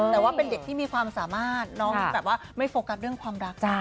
แต่ว่าเป็นเด็กที่มีความสามารถน้องยังแบบว่าไม่โฟกัสเรื่องความรัก